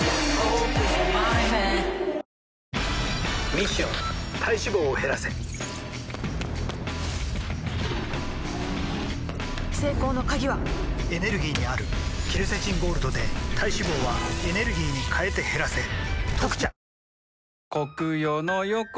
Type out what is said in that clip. ミッション体脂肪を減らせ成功の鍵はエネルギーにあるケルセチンゴールドで体脂肪はエネルギーに変えて減らせ「特茶」